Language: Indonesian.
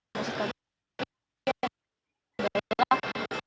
maksud kami adalah